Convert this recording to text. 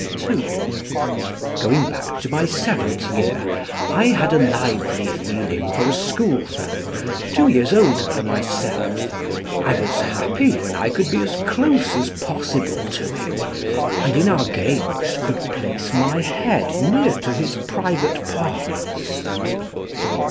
(2) "Going back to my seventh year, I had a lively feeling for a schoolfellow, two years older than myself; I was happy when I could be as close as possible to him, and in our games could place my head near to his private parts."